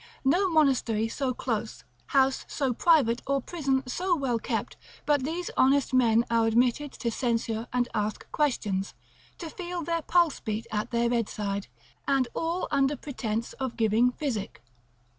No monastery so close, house so private, or prison so well kept, but these honest men are admitted to censure and ask questions, to feel their pulse beat at their bedside, and all under pretence of giving physic.